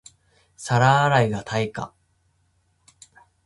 皿洗いが対価